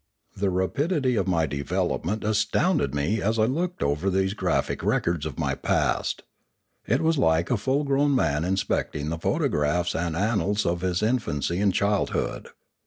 The rapidity of my develop ment astounded me as I looked over these graphic 542 Limanora records of my past. It was like a full grown man inspecting the photographs and annals of his infancy and childhood.